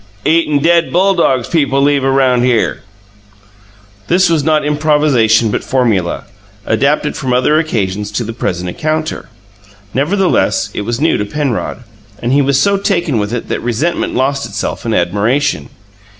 "Eatin' dead bulldogs people leave around here." This was not improvisation but formula, adapted from other occasions to the present encounter; nevertheless, it was new to Penrod, and he was so taken with it that resentment lost itself in admiration.